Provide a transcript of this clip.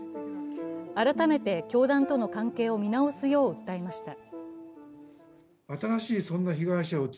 改めて教団との関係を見直すよう訴えました。